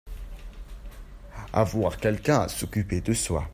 Avoir quelqu'un à s'occuper de soi.